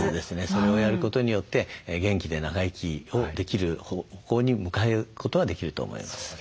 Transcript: それをやることによって元気で長生きをできる方向に向かうことはできると思います。